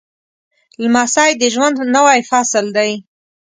لمسی د ژوند نوی فصل دی.